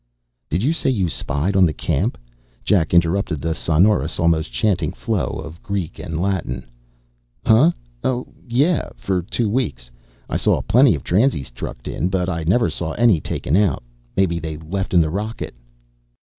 "Did you say you spied on the camp?" Jack interrupted the sonorous, almost chanting flow of Greek and Latin. "Huh? Oh, yeah. For two weeks. I saw plenty of transies trucked in, but I never saw any taken out. Maybe they left in the rocket."